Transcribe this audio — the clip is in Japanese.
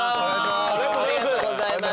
ありがとうございます。